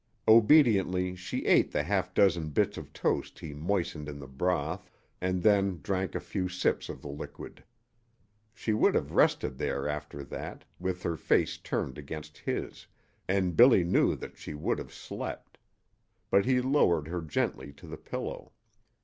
Obediently she ate the half dozen bits of toast he moistened in the broth, and then drank a few sips of the liquid. She would have rested there after that, with her face turned against his, and Billy knew that she would have slept. But he lowered her gently to the pillow.